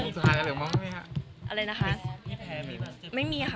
เซียงมุดหาและม้องมั้ยคะ